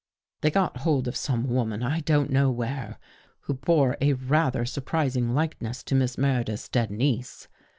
They got hold of some woman, 192 DOCTOR CROW FORGETS I don't know where, who bore a rather surprising likeness to Miss Meredith's dead niece.